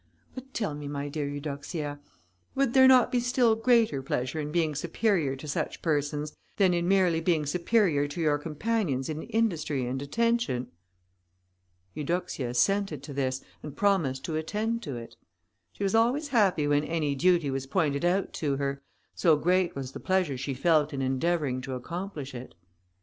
But tell me, my dear Eudoxia, would there not be still greater pleasure in being superior to such persons, than in merely being superior to your companions in industry and attention?" Eudoxia assented to this, and promised to attend to it. She was always happy when any duty was pointed out to her, so great was the pleasure she felt in endeavouring to accomplish it.